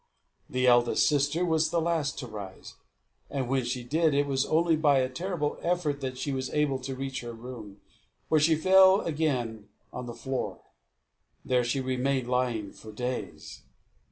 The eldest sister was the last to rise; and when she did, it was only by a terrible effort that she was able to reach her room, where she fell again on the floor. There she remained lying for days.